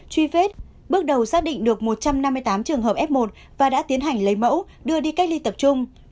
truy vết bước đầu xác định được một trăm năm mươi tám trường hợp f một và đã tiến hành lấy mẫu đưa đi cách ly tập trung